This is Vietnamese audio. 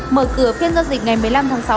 mở cửa phiên giao dịch ngày một mươi năm tháng sáu